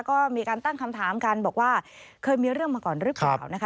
ก็มีการตั้งคำถามกันบอกว่าเคยมีเรื่องมาก่อนหรือเปล่านะคะ